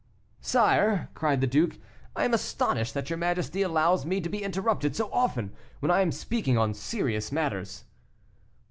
"Sire," cried the duke, "I am astonished that your majesty allows me to be interrupted so often, when I am speaking on serious matters."